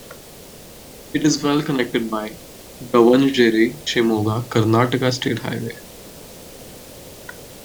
It is well connected by Davangere-Shimoga Karnataka state highway.